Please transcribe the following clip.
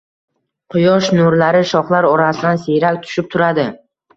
Quyosh nurlari shoxlar orasidan siyrak tushib turadi